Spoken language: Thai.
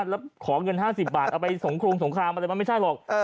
แล้วขอเงิน๕๐บาทเอาไปสงครงสงครามอะไรมันไม่ใช่หรอก